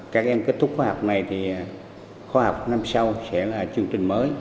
các em kết thúc khóa học này thì khóa học năm sau sẽ là chương trình mới